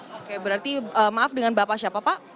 oke berarti maaf dengan bapak siapa pak